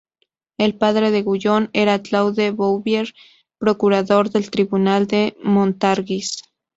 El padre de Guyon era Claude Bouvier, procurador del tribunal de Montargis.